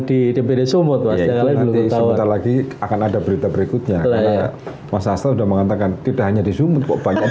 di di bd sumut lagi akan ada berita berikutnya masasar udah mengatakan tidak hanya di sumut